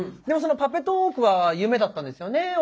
でもその「パペトーーク！」は夢だったんですよね？